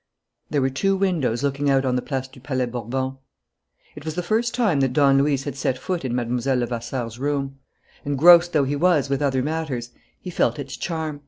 There were two windows looking out on the Place du Palais Bourbon. It was the first time that Don Luis had set foot in Mlle. Levasseur's room. Engrossed though he was with other matters, he felt its charm.